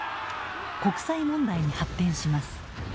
国際問題に発展します。